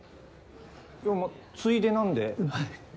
でもついでなんで。